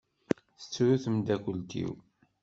Tettru temdakelt-iw.